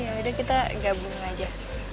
yaudah kita gabung aja